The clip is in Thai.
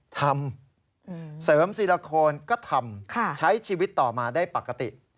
ทำเสริมซีลาโคนก็ทำใช้ชีวิตต่อมาได้ปกติ